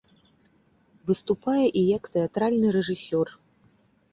Выступае і як тэатральны рэжысёр.